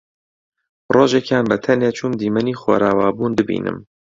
ڕۆژێکیان بەتەنێ چووم دیمەنی خۆرئاوابوون ببینم